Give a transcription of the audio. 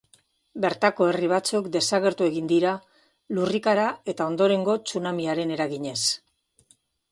Bertako herri batzuk desagertu egin dira lurrikara eta ondorengo tsunamiaren eraginez.